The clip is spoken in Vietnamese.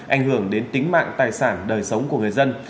ảnh hưởng đến tính mạng tài sản đời sống của người dân